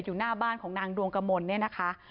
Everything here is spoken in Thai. อยู่หน้าบ้านของนางดวงกมลเนี่ยนะคะ